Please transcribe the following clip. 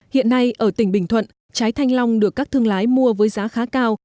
hiện nay ở tỉnh bình thuận trái thanh long được các thương lái mua với giá khá cao